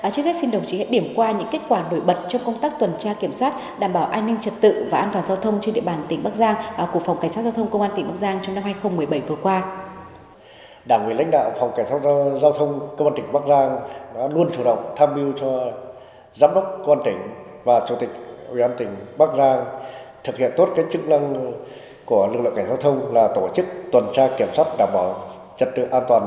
trước hết xin đồng chí hãy điểm qua những kết quả nổi bật trong công tác tuần tra kiểm soát đảm bảo an ninh trật tự và an toàn giao thông trên địa bàn tỉnh bắc giang của phòng cảnh sát giao thông công an tỉnh bắc giang trong năm hai nghìn một mươi bảy vừa qua